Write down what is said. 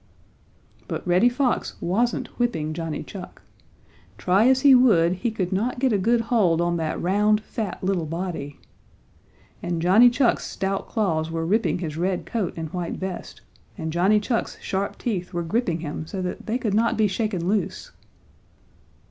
But Reddy Fox wasn't whipping Johnny Chuck. Try as he would, he could not get a good hold on that round, fat, little body. And Johnny Chuck's stout claws were ripping his red coat and white vest and Johnny Chuck's sharp teeth were gripping him so that they could not be shaken loose.